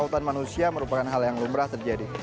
hutan manusia merupakan hal yang lumrah terjadi